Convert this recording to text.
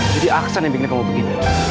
jadi aksan yang bikin kamu begini